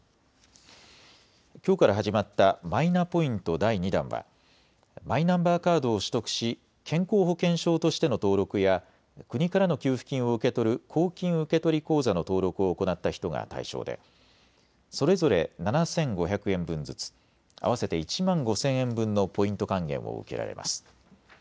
きょうから始まったマイナポイント第２弾はマイナンバーカードを取得し健康保険証としての登録や国からの給付金を受け取る公金受取口座の登録を行った人が対象でそれぞれ７５００円分ずつ、合わせて１万５０００円分のポイント還元を受けられます。